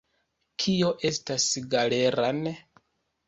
Kio estas Galeran?